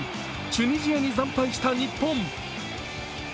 チュニジアに惨敗した日本。